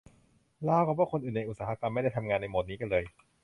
ราวกับว่าคนอื่นในอุตสาหกรรมไม่ได้ทำงานในโหมดนี้กันเลย